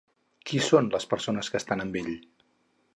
Qui són les persones que estan amb ell?